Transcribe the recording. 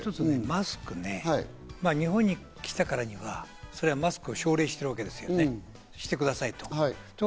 もう一つマスクね、日本に来たからには、それはマスクを奨励してるわけですよね、してくださいと。